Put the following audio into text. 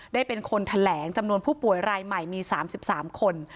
ได้เป็นคนแถลงจำนวนผู้ป่วยรายใหม่มี๓๓คน